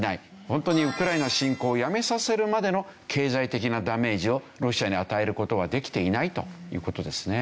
ホントにウクライナ侵攻をやめさせるまでの経済的なダメージをロシアに与える事はできていないという事ですね。